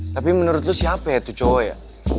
tapi menurut lu siapa ya itu cowoknya